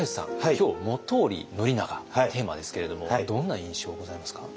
今日「本居宣長」テーマですけれどもどんな印象ございますか？